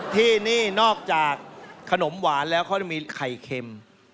ที่นี่นอกจากขนมหวานแล้วเขาจะมีไข่เค็ม